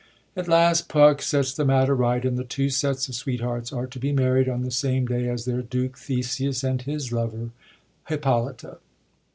At last. Puck sets the matter right, and the two sets of sweethearts are to be married on the same day as their Duke, Theseus, and his lover, Hippolyta.